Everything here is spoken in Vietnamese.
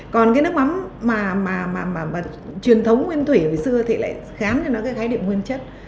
còn cái nước mắm mà truyền thống nguyên thủy ở xưa thì lại khám cho nó cái khái niệm nguyên chất